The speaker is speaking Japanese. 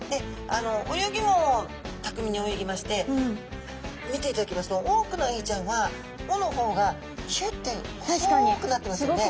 泳ぎもたくみに泳ぎまして見ていただきますと多くのエイちゃんはおの方がひゅって細くなってますよね。